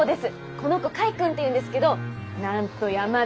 この子櫂くんっていうんですけどなんと山で。